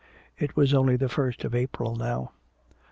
It was only the first of April now.